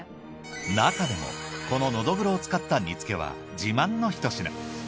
なかでもこののどぐろを使った煮つけは自慢のひと品。